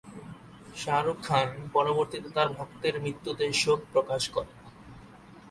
শাহরুখ খান পরবর্তীতে তার ভক্তের মৃত্যুতে শোক প্রকাশ করেন।